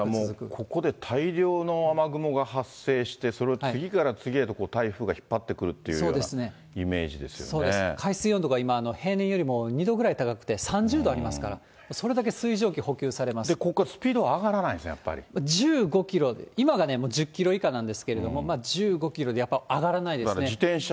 もうここで大量の雨雲が発生して、それを次から次へと台風が引っ張ってくるっていうようなイメージ海水温度が今、平年よりも２度ぐらい高くて３０度ありますから、それだけ水蒸気、ここからスピードが上がらな１５キロ、今がね、１０キロ以下なんですけれども、１５キロでやっぱ上がらないですね。